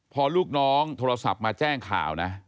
พอลูกน้องโทรศัพท์มาแจ้งข่าวนะ